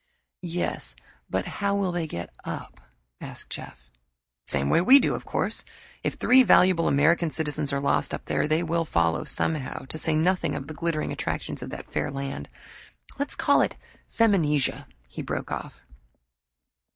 "Yes, but how will they get up?" asked Jeff. "Same way we do, of course. If three valuable American citizens are lost up there, they will follow somehow to say nothing of the glittering attractions of that fair land let's call it 'Feminisia,'" he broke off.